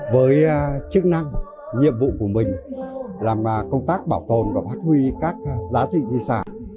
với chức năng nhiệm vụ của mình là công tác bảo tồn và phát huy các giá trị thị xã